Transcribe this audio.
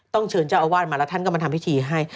เชิญเจ้าอาวาสมาแล้วท่านก็มาทำพิธีให้